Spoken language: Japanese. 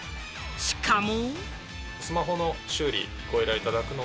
しかも。